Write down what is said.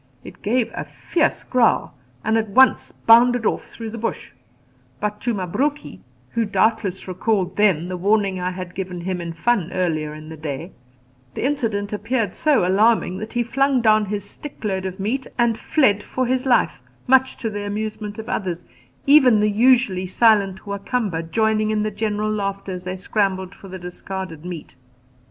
It gave a fierce growl and at once bounded off through the bush; but to Mabruki who doubtless recalled then the warning I had given him in fun earlier in the day the incident appeared so alarming that he flung down his stick load of meat and fled for his life, much to the amusement of the others, even the usually silent Wa Kamba joining in the general laughter as they scrambled for the discarded meat.